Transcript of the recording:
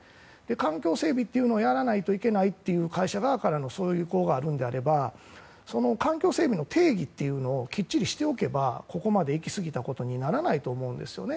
環境整備というのをやらないといけないという会社側からの意向があるのであれば環境整備の定義をきっちりしておけばここまでの行き過ぎたことにはならないと思うんですよね。